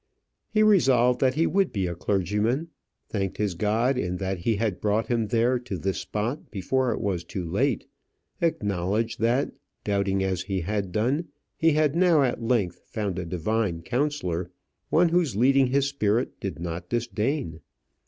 He resolved that he would be a clergyman; thanked his God in that he had brought him there to this spot before it was too late; acknowledged that, doubting as he had done, he had now at length found a Divine counsellor one whose leading his spirit did not disdain.